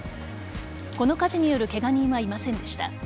この火事によるケガ人はいませんでした。